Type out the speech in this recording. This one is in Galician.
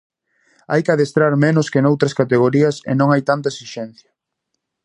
Hai que adestrar menos que noutras categorías e non hai tanta esixencia.